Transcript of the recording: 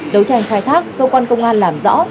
đấu tranh khai thác cơ quan công an làm rõ